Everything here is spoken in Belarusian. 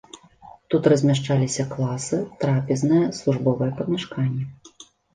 Тут размяшчаліся класы, трапезная, службовыя памяшканні.